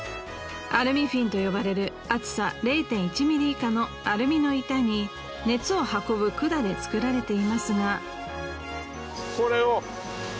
アルミフィンと呼ばれる厚さ０．１ミリ以下のアルミの板に熱を運ぶ管で作られていますが。